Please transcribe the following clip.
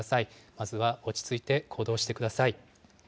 まずは落ち着いて行動してください。